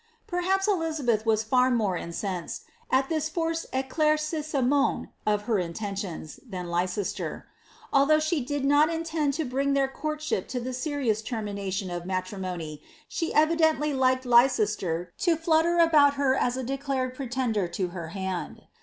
Perhapa Elizabeth was far more incensed, at this Torccd eelmrc men( of her intentions, than Leicester. Although she did not inten bring their courtship lo the serious lerminaiion of matrimony, she dently liked Leicester lo flutter about her as a declared pretender to band.